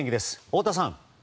太田さん。